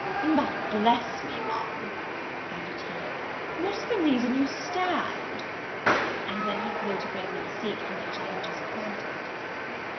"But, bless me, Ma'am," added he, "what is the reason you stand?" and then he flew to bring me the seat from which I had just parted.